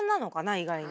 意外に。